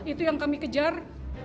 itu yang kami kejar